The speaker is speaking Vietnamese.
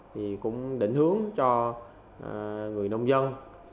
thì cũng định hướng cho người nông dân